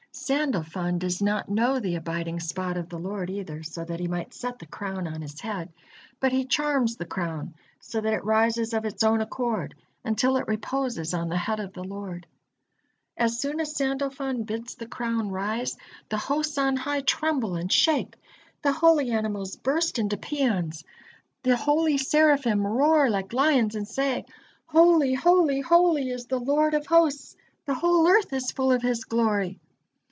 Sandalfon does not know the abiding spot of the Lord either, so that he might set the crown on His head, but he charms the crown, so that it rises of its own accord until it reposes on the head of the Lord. As soon as Sandalfon bids the crown rise, the hosts on high tremble and shake, the holy animals burst into paeans, the holy Seraphim roar like lions and say: "Holy, holy, holy is the Lord of hosts, the whole earth is full of His glory."